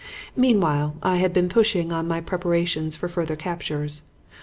"Meanwhile I had been pushing on my preparations for further captures.